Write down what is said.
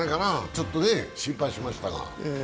ちょっと心配しましたが。